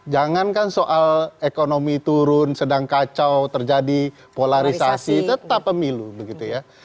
jangankan soal ekonomi turun sedang kacau terjadi polarisasi tetap pemilu begitu ya